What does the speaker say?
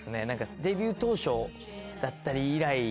デビュー当初だったり以来。